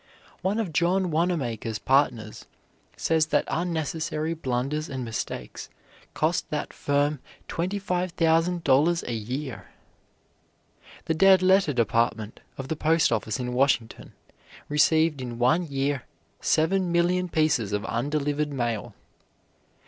One of John Wanamaker's partners says that unnecessary blunders and mistakes cost that firm twenty five thousand dollars a year. The dead letter department of the Post Office in Washington received in one year seven million pieces of undelivered mail.